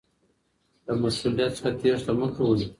له مسؤلیت څخه تیښته مه کوئ.